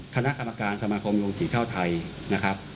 คณะกรรมการสมาคมโรงสีข้าวไทยนะครับ